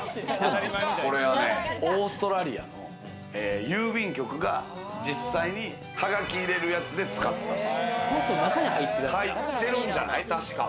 これはね、オーストラリアの郵便局が実際に、はがき入れるやつで使ってたやつらしい。